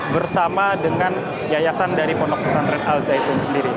bersama dengan yayasan dari pondok pesantren al zaitun sendiri